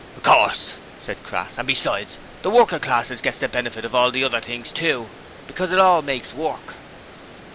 'Of course,' said Crass, 'and besides, the workin' class gets the benefit of all the other things too, because it all makes work.'